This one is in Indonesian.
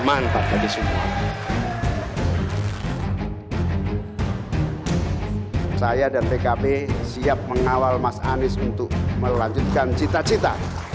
mantap tadi semua saya dan pkb siap mengawal mas anies untuk melanjutkan cita cita